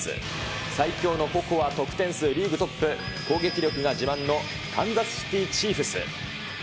最強の矛は得点数リーグトップ、攻撃力が自慢の、カンザスシティ・チーフス。